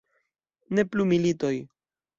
Ne plu militoj!